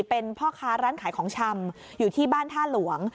เป็นพ่อค้าร้านขายของชำอยู่ที่บ้านท่าหลวง